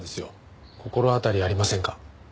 心当たりありませんか？